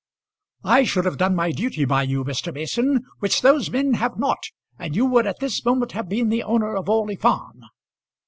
"I should have done my duty by you, Mr. Mason, which those men have not, and you would at this moment have been the owner of Orley Farm."